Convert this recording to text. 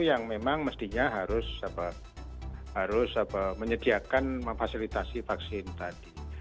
yang memang mestinya harus menyediakan memfasilitasi vaksin tadi